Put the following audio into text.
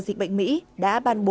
dịch bệnh mỹ đã ban bố